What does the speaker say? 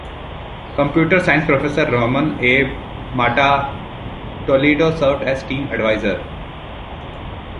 Computer science professor Ramon A. Mata-Toledo served as team adviser.